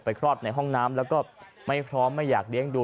คลอดในห้องน้ำแล้วก็ไม่พร้อมไม่อยากเลี้ยงดู